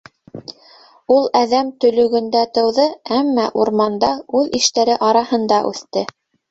Ул әҙәм төлөгөндә тыуҙы, әммә урманда, үҙ иштәре араһында үҫте.